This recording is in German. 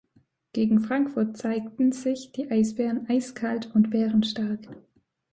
Gegen Frankfurt zeigten sich die Eisbären eiskalt und bärenstark.